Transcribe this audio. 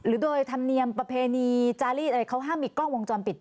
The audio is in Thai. หรือโดยธรรมเนียมประเพณีจารีดอะไรเขาห้ามมีกล้องวงจรปิด